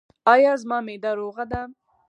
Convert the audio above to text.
ایا زما معده روغه ده؟